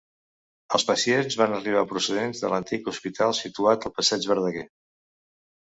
Els pacients van arribar procedents de l'antic hospital situat al passeig Verdaguer.